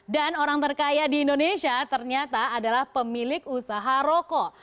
dan orang terkaya di indonesia ternyata adalah pemilik usaha rokok